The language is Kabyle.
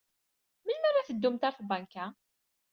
Melmi ara teddumt ɣer tbanka?